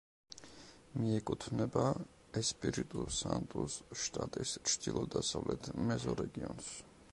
მიეკუთვნება ესპირიტუ-სანტუს შტატის ჩრდილო-დასავლეთ მეზორეგიონს.